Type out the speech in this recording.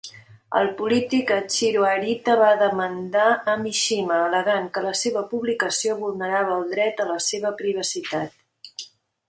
El polític Hachiro Arita va demandar a Mishima, al·legant que la seva publicació vulnerava el dret a la seva privacitat.